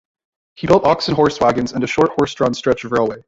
He built ox and horse wagons and a short horse-drawn stretch of railway.